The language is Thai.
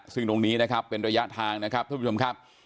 ซึ่งตรงนี้นะครับเป็นระยะทางนะครับท่านผู้ชมครับ